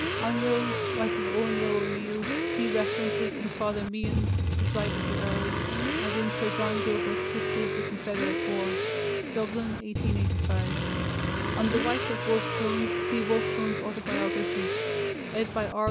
On Rose, wife of Owen Roe O'Neill, see references in Father Meehan's The Flight of the Earls, and in Sir John Gilbert's History of the Confederate War (Dublin, 1885). On the wife of Wolfe Tone, see Wolfe Tone's Autobiography, ed. by R.